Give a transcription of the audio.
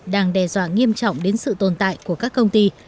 đang đe dọa nghiêm trọng đến sự tồn tại của các công ty